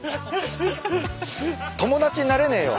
友達になれねえよ。